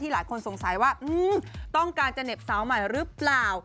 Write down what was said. หลายคนสงสัยว่าต้องการจะเหน็บสาวใหม่หรือเปล่า